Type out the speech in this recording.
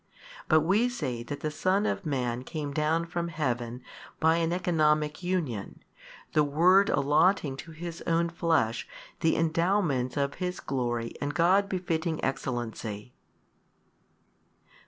But we say that the |190 Son of Man came down from Heaven by an economic union, the Word allotting to His own Flesh the endowments of His glory and God befitting Excellency.